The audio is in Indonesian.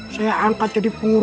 saya angkat jadi pengurus